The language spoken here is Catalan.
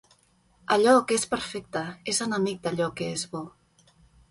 Allò que és perfecte és enemic d'allò que és bo